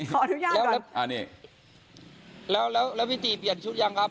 ขออนุญาตก่อนอ่ะนี่แล้วแล้วแล้วพี่ติเปลี่ยนชุดยังครับ